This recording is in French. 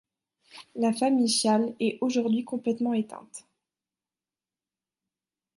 La famille Chasles est aujourd'hui complètement éteinte.